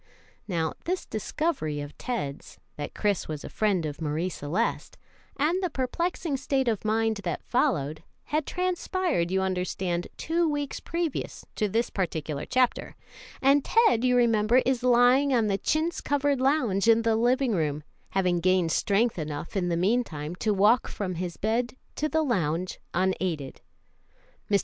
Now, this discovery of Ted's, that Chris was a friend of Marie Celeste, and the perplexing state of mind that followed, had transpired, you understand, two weeks previous to this particular chapter, and Ted, you remember, is lying on the chintz covered lounge in the living room, having gained strength enough in the mean time to walk from his bed to the lounge unaided. Mr.